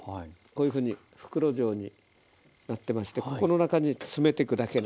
こういうふうに袋状になってましてここの中に詰めてくだけなんですね。